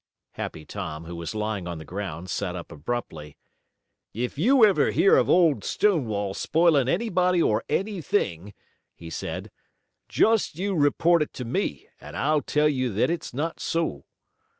Happy Tom, who was lying on the ground, sat up abruptly. "If ever you hear of Old Stonewall spoiling anybody or anything," he said, "just you report it to me and I'll tell you that it's not so."